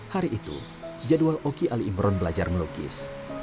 hari itu jadwal oki ali imron belajar melukis